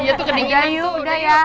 wah adeknya udah